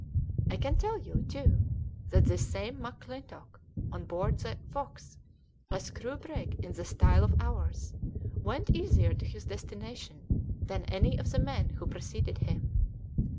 I can tell you, too, that this same McClintock, on board the Fox, a screw brig in the style of ours, went easier to his destination than any of the men who preceded him."